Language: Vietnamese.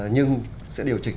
nhưng sẽ điều chỉnh